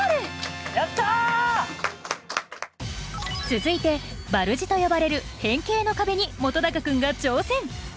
続いてバルジと呼ばれる変形の壁に本君が挑戦！